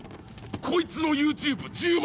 こいつのＹｏｕＴｕｂｅ１０万